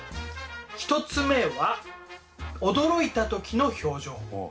１つ目は驚いた時の表情。